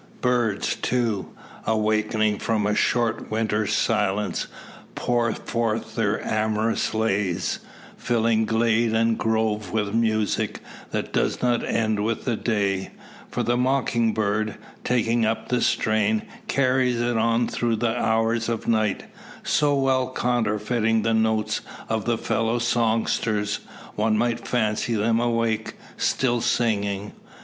Birds, too, awaking from a short winter's silence, pour forth their amorous lays, filling glade and grove with music, that does not end with the day; for the mock bird, taking up the strain, carries it on through the hours of night; so well counterfeiting the notes of his fellow songsters, one might fancy them awake still singing.